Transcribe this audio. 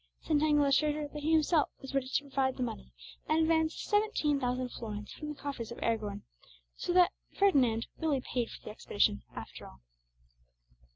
Santangel assured her that he himself was ready to provide the money, and advanced seventeen thousand florins from the coffers of Aragon, so that Ferdinand really paid for the expedition, after all.